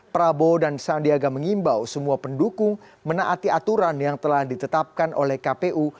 prabowo dan sandiaga mengimbau semua pendukung menaati aturan yang telah ditetapkan oleh kpu